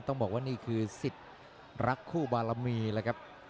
ต้องบอกว่านี่คือสิทธิ์รักคู่บารมีแล้วครับ